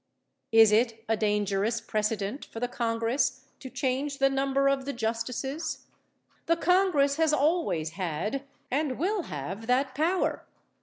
Is it a dangerous precedent for the Congress to change the number of the justices? The Congress has always had, and will have, that power.